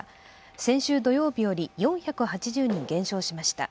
先週土曜日より４８０人減少しました。